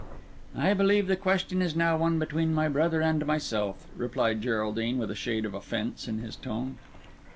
"I believe the question is now one between my brother and myself," replied Geraldine, with a shade of offence in his tone.